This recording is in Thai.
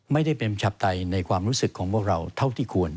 ไม่ได้เป็นชาปไตยในความรู้สึกของพวกเราเท่าที่ควร